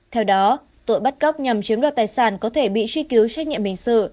theo đó tội bắt cóc nhằm chiếm đoạt tài sản có thể bị truy cứu trách nhiệm hình sự